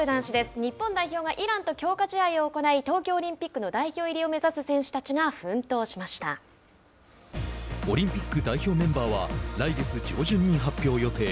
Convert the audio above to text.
日本代表がイランと強化試合を行い東京オリンピックの代表入りを目指す選手たちがオリンピック代表メンバーは来月上旬に発表予定。